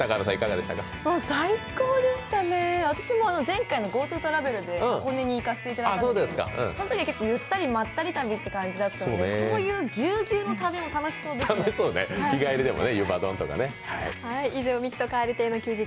最高でしたね、前回のＧｏＴｏトラベルで箱根に行かせていただいたんですけど、そのときはゆったりまったり旅っていう感じだったのでこういうギュウギュウの旅も楽しそうですね。